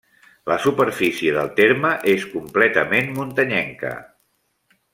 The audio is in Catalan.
La superfície del terme és completament muntanyenca.